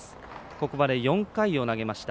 ここまで４回を投げました。